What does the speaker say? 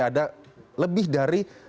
ada lebih dari